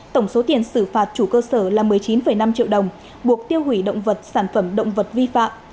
tổng số tiền xử phạt chủ cơ sở là một mươi chín năm triệu đồng buộc tiêu hủy động vật sản phẩm động vật vi phạm